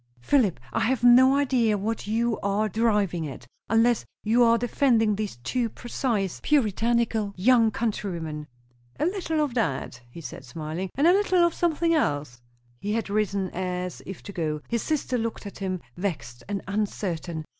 "Philip, I have no idea what you are driving at, unless you are defending these two precise, puritanical young country women." "A little of that," he said, smiling, "and a little of something else." He had risen, as if to go. His sister looked at him, vexed and uncertain.